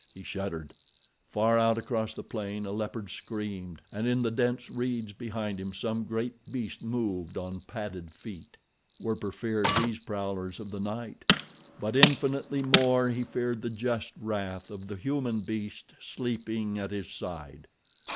He shuddered. Far out across the plain a leopard screamed, and in the dense reeds behind him some great beast moved on padded feet. Werper feared these prowlers of the night; but infinitely more he feared the just wrath of the human beast sleeping at his side.